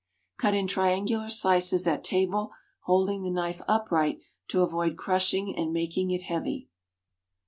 Cut in triangular slices at table, holding the knife upright to avoid crushing and making it heavy.